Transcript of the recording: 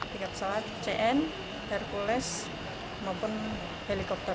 tiga pesawat cn hercules maupun helikopter